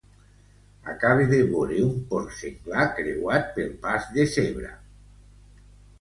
Acabe de vore un porc senglar creuar pel pas de zebra.